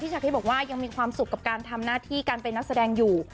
ผมจะได้ได้ออกไปนักแสดงอยู่